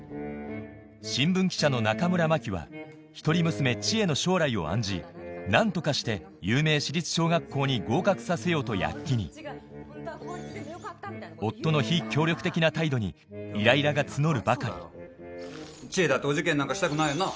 新聞記者の中村真希は一人娘知恵の将来を案じ何とかして有名私立小学校に合格させようと躍起に夫の非協力的な態度にイライラが募るばかり知恵だってお受験なんかしたくないよな？